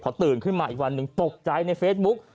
พอตื่นขึ้นมาอีกวันหนึ่งตกใจในเฟซบุ๊ก